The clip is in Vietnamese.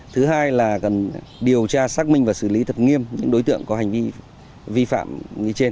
thứ hai là cần điều tra xác minh và xử lý thật nghiêm những đối tượng có hành vi vi phạm như trên